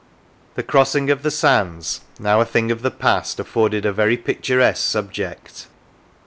The crossing of the sands, now a thing of the past, afforded a very pic turesque subject.